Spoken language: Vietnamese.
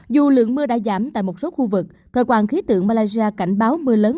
dù lượng mưa đã giảm tại một số khu vực cơ quan khí tượng malaysia cảnh báo mưa lớn